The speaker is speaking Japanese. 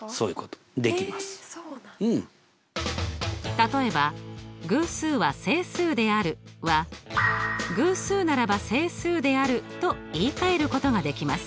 例えば「偶数は整数である」は「偶数ならば整数である」と言いかえることができます。